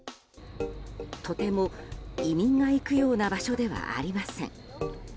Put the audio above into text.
とても移民が行くような場所ではありません。